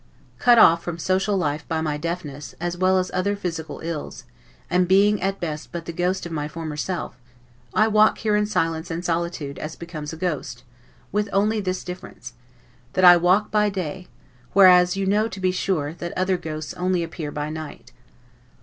Cut off from social life by my deafness, as well as other physical ills, and being at best but the ghost of my former self, I walk here in silence and solitude as becomes a ghost: with this only difference, that I walk by day, whereas, you know, to be sure, that other ghosts only appear by night.